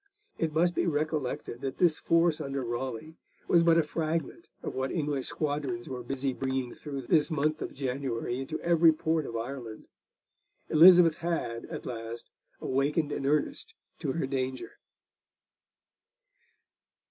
It must be recollected that this force under Raleigh was but a fragment of what English squadrons were busily bringing through this month of January into every port of Ireland. Elizabeth had, at last, awakened in earnest to her danger.